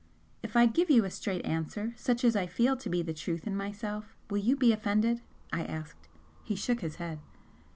"If I give you a straight answer, such as I feel to be the truth in myself, will you be offended?" I asked. He shook his head.